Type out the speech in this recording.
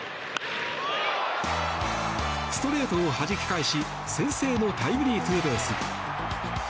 ストレートをはじき返し先制のタイムリーツーベース。